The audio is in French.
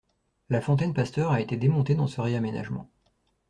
La fontaine Pasteur a été démontée dans ce réaménagement.